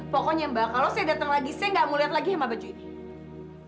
pokoknya mbak kalau saya datang lagi saya nggak mau lihat lagi sama baju ini